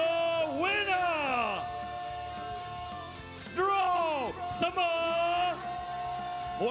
มวยกู้นี้เสมอครับ